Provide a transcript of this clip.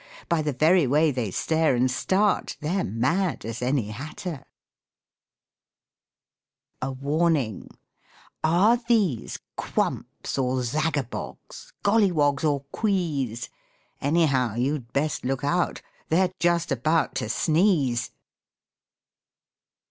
By the very way they stare and start They're mad as any hatter. A WARNING Are these Quumps or Zagabogs, Golliwogs or Quees? Anyhow, you'd best look out, They're just about to sneeze!